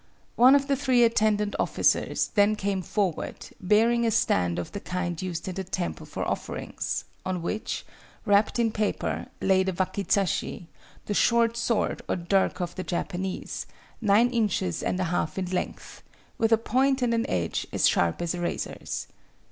One of the three attendant officers then came forward, bearing a stand of the kind used in the temple for offerings, on which, wrapped in paper, lay the wakizashi, the short sword or dirk of the Japanese, nine inches and a half in length, with a point and an edge as sharp as a razor's.